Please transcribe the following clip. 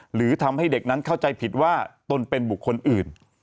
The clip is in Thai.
หรือทำให้เด็กนั้นเข้าใจผิดว่าตนเป็นบุคคลอื่น